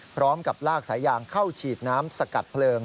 พร้อมกับลากสายยางเข้าฉีดน้ำสกัดเพลิง